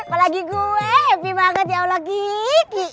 apalagi gue happy banget ya allah gigi